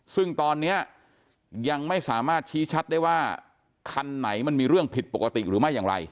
ซึ่งตอนนี้ยังไม่สามารถชี้ชัดได้ว่าคันไหนมันมีเรื่องผิดปกติหรือไม่อย่างไร